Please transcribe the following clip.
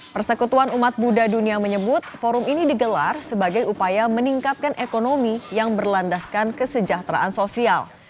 persekutuan umat buddha dunia menyebut forum ini digelar sebagai upaya meningkatkan ekonomi yang berlandaskan kesejahteraan sosial